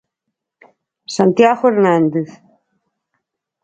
Santiago Hernández.